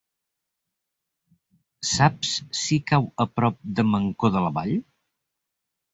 Saps si cau a prop de Mancor de la Vall?